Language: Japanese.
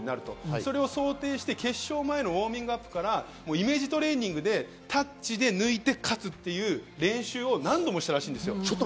それを想定して決勝前のウオーミングアップからイメージトレーニングでタッチで抜いて勝つという練習を何度もしたらしいんです。